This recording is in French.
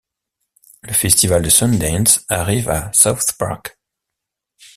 Le festival de Sundance arrive à South Park.